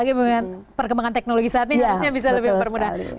apalagi perkembangan teknologi saat ini harusnya bisa lebih bermudah